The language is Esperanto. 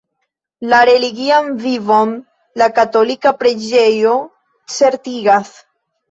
La religian vivon la katolika preĝejo certigas.